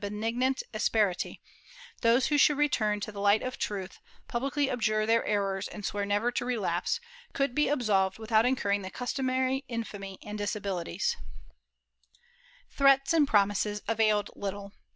352 MOBISCOS [Book VIH benignant asperity; those who should return to the light of truth, publicly abjure their errors and swear never to relapse, could be absolved without incurring the customary infamy and disabilities/ Threats and promises availed little.